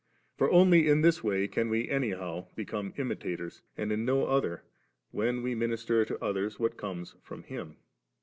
For only in this way can we anyhow become imitators, and in no other, when we minister to others what comes from Him.